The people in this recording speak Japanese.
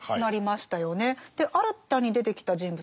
新たに出てきた人物